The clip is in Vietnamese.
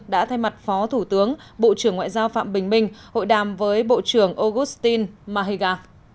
đã thay mặt phó thủ tướng bộ trưởng ngoại giao phạm bình minh hội đàm với bộ trưởng augustin mahiga